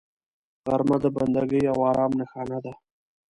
غرمه د بندګۍ او آرام نښانه ده